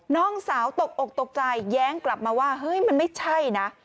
น้องสาวตกอกตกใจแย้งกลับมาว่าเฮ้ยมันไม่ใช่นะ